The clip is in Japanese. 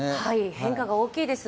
変化が大きいです。